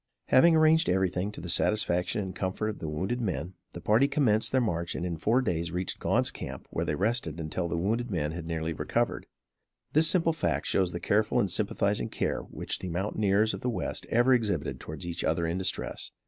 Having arranged everything to the satisfaction and comfort of the wounded men, the party commenced their march and in four days reached Gaunt's camp where they rested until the wounded men had nearly recovered. This simple fact shows the careful and sympathizing care which the mountaineers of the west ever exhibit towards each other in distress.